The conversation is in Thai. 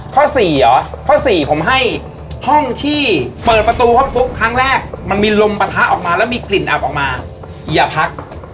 สี่เหรอข้อสี่ผมให้ห้องที่เปิดประตูห้องปุ๊บครั้งแรกมันมีลมปะทะออกมาแล้วมีกลิ่นอับออกมาอย่าพัก